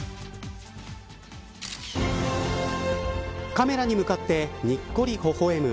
カメラに向かって、にっこりほほ笑む